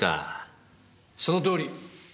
そのとおり。